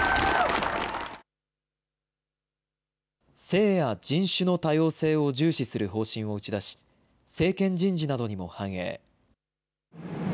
性や人種の多様性を重視する方針を打ち出し、政権人事などにも反映。